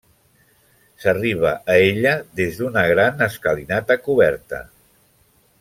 S'arriba a ella des d'una gran escalinata coberta.